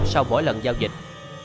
sau mỗi lần giao dịch